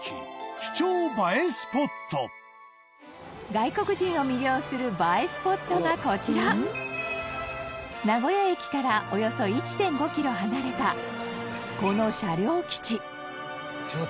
外国人を魅了する映えスポットが、こちら名古屋駅からおよそ１．５ｋｍ離れたこの車両基地